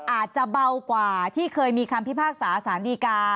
อาจจะเบากว่าที่เคยมีคำพิพากษาสารดีกา